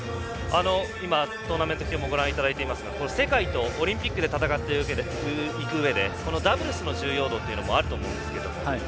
今、トーナメント表もご覧いただいていますが世界とオリンピックで戦っていくうえでダブルスの重要度もあると思うんですが。